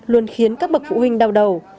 luôn khiến các bậc phụ huynh đau đầu